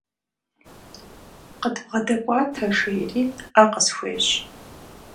КъыдбгъэдэкӀуатэ, – жери, Ӏэ къысхуещӀ.